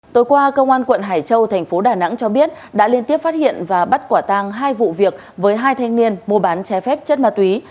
tối qua công an quận hải châu thành phố đà nẵng cho biết đã liên tiếp phát hiện và bắt quả tang hai vụ việc với hai thanh niên mua bán trái phép chất ma túy